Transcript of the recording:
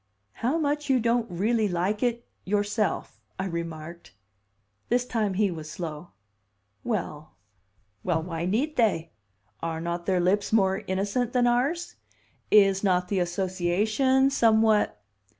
"How much you don't 'really like it' yourself!" I remarked. This time he was slow. "Well well why need they? Are not their lips more innocent than ours? Is not the association somewhat